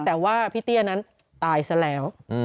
แต่ว่าพี่เตี้ยนั้นตายซะแล้ว